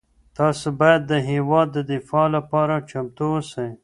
تاسو باید د هېواد د دفاع لپاره چمتو اوسئ.